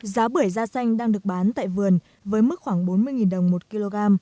giá bưởi da xanh đang được bán tại vườn với mức khoảng bốn mươi đồng một kg